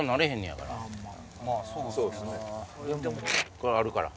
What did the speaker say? そうっすね。